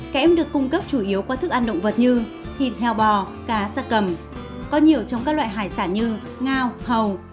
kẽm được cung cấp chủ yếu qua thức ăn động vật như thịt heo bò cá xa cầm có nhiều trong các loại hải sản như ngao hầu